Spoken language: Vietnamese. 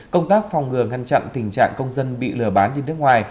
công tác phòng ngừa ngăn chặn tình trạng công dân bị lừa bán đi nước ngoài